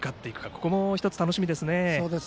ここも１つ楽しみですね。